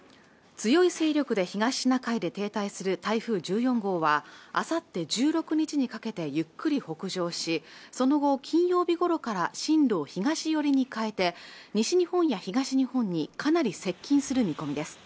強い勢力で東シナ海で停滞する台風１４号はあさって１６日にかけてゆっくり北上しその後金曜日ごろから進路を東寄りに変えて西日本や東日本にかなり接近する見込みです